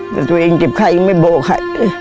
แต่ตัวเองเจ็บไข้ยังไม่โบค่ะ